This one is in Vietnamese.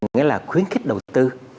nghĩa là khuyến khích đầu tư